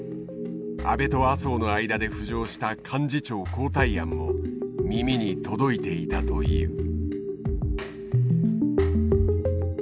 安倍と麻生の間で浮上した幹事長交代案も耳に届いていたという。